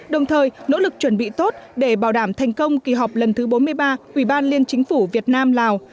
đồng thời nỗ lực chuẩn bị tốt để bảo đảm thành công kỳ họp lần thứ bốn mươi ba ủy ban liên chính phủ việt nam lào